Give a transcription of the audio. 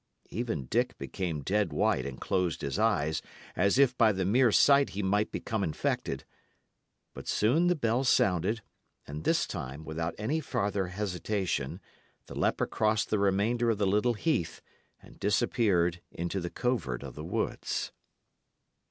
Even Dick became dead white and closed his eyes, as if by the mere sight he might become infected. But soon the bell sounded, and this time, without any farther hesitation, the leper crossed the remainder of the little heath and disappeared into the covert of the woods.